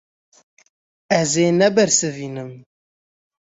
Ez ê nebersivînim.